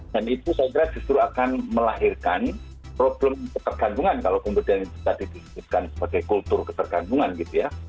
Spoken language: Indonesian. dan itu saya kira justru akan melahirkan problem ketergantungan kalau kemudian juga ditutupkan sebagai kultur ketergantungan gitu ya